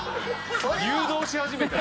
「誘導し始めた」